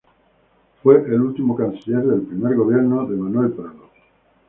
Fue el último canciller del primer gobierno de Manuel Prado.